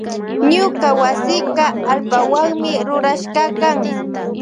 Ñuka wasika allpawanmi rurashkakan.